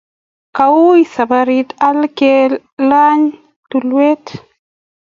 Ko ui saparit al kelany tulwet